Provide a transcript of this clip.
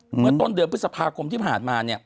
เหมือนต้นเดือนพฤษภาคมที่ผ่านมา